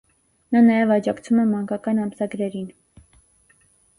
Նա նաև աջակցում է մանկական ամսագրերին։